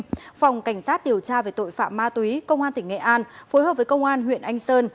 phòng cảnh sát điều tra về tội phạm ma túy công an tỉnh nghệ an phối hợp với công an huyện anh sơn